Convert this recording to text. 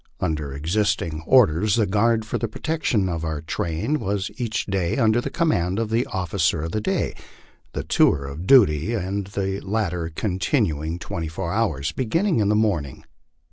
Under existing orders the guard for the protection of our train was each day under the command of the officer of the day, the tour of duty of the latter continuing twenty four hours, beginning in the morning.